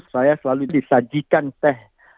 saya selalu disajikan teh